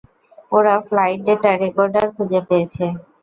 ওরা flight data recorder খুঁজে পেয়েছে?